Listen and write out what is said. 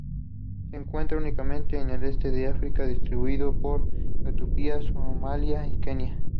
Se encuentra únicamente en el este de África, distribuido por Etiopía, Somalia y Kenia.